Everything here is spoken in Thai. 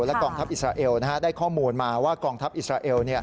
และกองทัพอิสราเอลได้ข้อมูลมาว่ากองทัพอิสราเอล